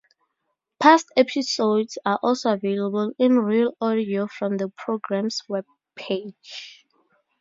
Past episodes are also available, in RealAudio, from the programme's web page.